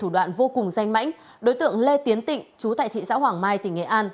đối tượng lê tiến tịnh chú tại thị xã hoàng mai tỉnh nghệ an